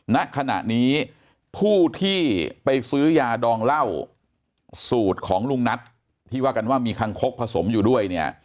ณขณะนี้ผู้ที่ไปซื้อยาดองเหล้าสูตรของลุงนัทที่ว่ากันว่ามีคังคกผสมอยู่ด้วยเนี่ย